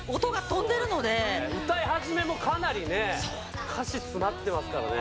歌い始めもかなりね歌詞詰まってますからね。